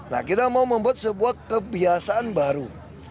nah kita mau membuat sebuah kebiasaan baru